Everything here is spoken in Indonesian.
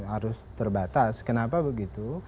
harus terbatas kenapa begitu